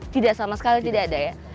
tidak sama sekali tidak ada ya